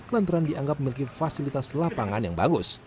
lantaran dianggap memiliki fasilitas lapangan yang bagus